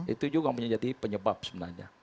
itu juga menjadi penyebab sebenarnya